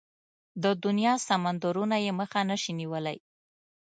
د دنيا سمندرونه يې مخه نشي نيولای.